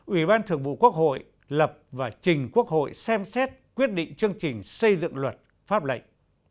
ủy ban thượng vụ quốc hội lập và trình quốc hội xem xét quyết định chương trình xây dựng luật pháp lệnh